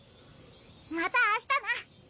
また明日な！